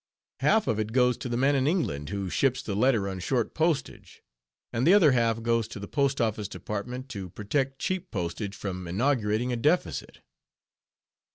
"Half of it goes to the man in England who ships the letter on short postage, and the other half goes to the P.O.D. to protect cheap postage from inaugurating a deficit."